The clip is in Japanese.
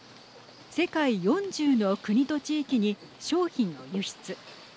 世界４０の国と地域に商品を輸出。